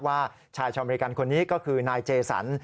ว่าชายชาวอเมริกันคนนี้ก็คือนายเจสัน